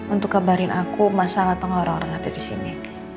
untuk kabarin aku masalah atau gak orang orang ada disini